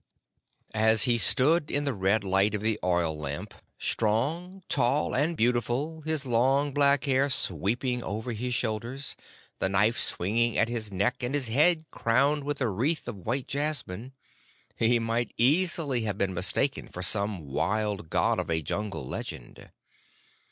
As he stood in the red light of the oil lamp, strong, tall, and beautiful, his long black hair sweeping over his shoulders, the knife swinging at his neck, and his head crowned with a wreath of white jasmine, he might easily have been mistaken for some wild god of a jungle legend.